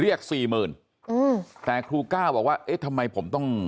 เรียกสี่หมื่นอืมแต่ครูก้าวบอกว่าเอ๊ะทำไมผมต้อง